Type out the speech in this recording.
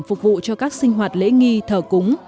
phục vụ cho các sinh hoạt lễ nghi thờ cúng